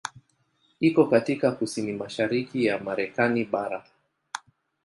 Iko katika kusini-mashariki ya Marekani bara.